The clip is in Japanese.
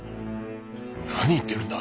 何言ってるんだ！？